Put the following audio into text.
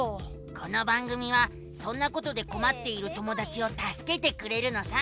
この番組はそんなことでこまっている友だちをたすけてくれるのさ。